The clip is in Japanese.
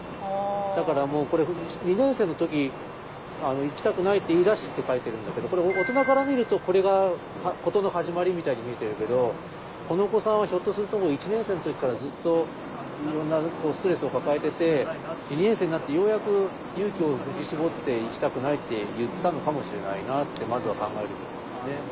だからもうこれ「２年生の時行きたくないって言いだし」って書いてるんだけどこれ大人から見るとこれが事の始まりみたいに見えてるけどこのお子さんはひょっとするともう１年生の時からずっといろんなストレスを抱えてて２年生になってようやく勇気を振り絞って「行きたくない」って言ったのかもしれないなってまずは考えるべきなんですね。